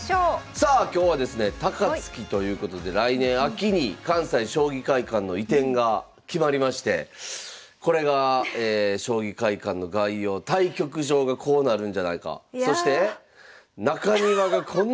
さあ今日はですね高槻ということで来年秋に関西将棋会館の移転が決まりましてこれが将棋会館の概要対局場がこうなるんじゃないかそして中庭がこんなふうになって。